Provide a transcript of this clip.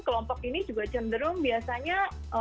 kelompok ini juga cenderung biasanya